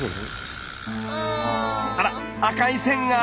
あらっ赤い線が。